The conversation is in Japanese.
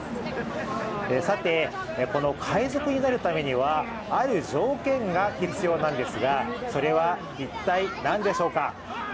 さて、この海賊になるためにはある条件が必要なんですがそれは一体、何でしょうか？